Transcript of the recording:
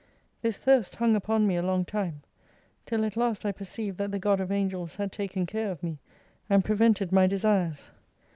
This thirst hung upon me a long time ; till at last I perceived that the God of Angels had taken care of me, and pre vented my desires.